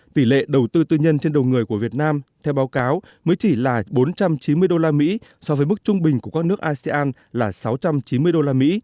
tỷ lệ đầu tư tư nhân trên đầu người của việt nam theo báo cáo mới chỉ là bốn trăm chín mươi usd so với mức trung bình của các nước asean là sáu trăm chín mươi usd